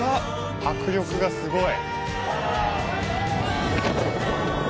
迫力がすごい。